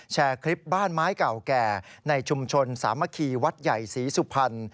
แชร์คลิปบ้านไม้เก่าแก่ในชุมชนสามัคคีวัดใหญ่ศรีสุพรรณ